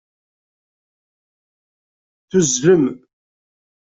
Tuzzlem.